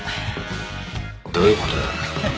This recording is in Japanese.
どういうことだ？